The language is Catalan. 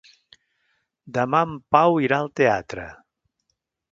Demà en Pau irà al teatre.